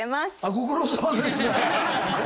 ご苦労さまです。